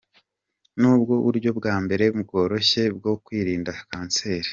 Nibwo buryo bwa mbere bworoshye bwo kwirinda kanseri.